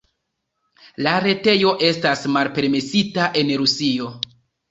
La retejo estas malpermesita en Rusio.